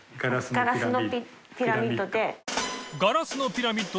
「ガラスのピラミッド」